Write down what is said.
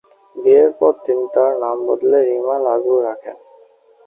বিয়ের পর তিনি তার নাম বদলে রিমা লাগু রাখেন।